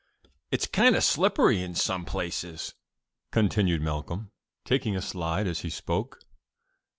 '" "It's kind of slippery in some places," continued Malcolm, taking a slide as he spoke.